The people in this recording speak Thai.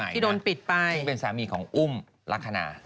ที่โดนปิดไปซึ่งเป็นสามีของอุ้มลักษณะ